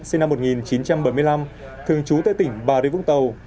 sinh năm một nghìn chín trăm bảy mươi năm thường trú tại tỉnh bà rịa vũng tàu